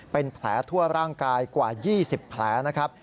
เป็นแผลทั่วร่างกายกว่า๒๐แผลนะครับ